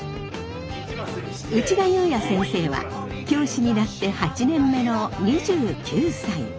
内田裕也先生は教師になって８年目の２９歳。